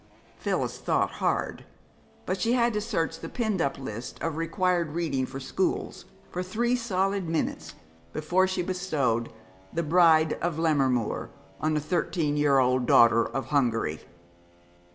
Phyllis thought hard. But she had to search the pinned up list of required reading for schools for three solid minutes before she bestowed "The Bride of Lammermoor" on a thirteen year old daughter of Hungary.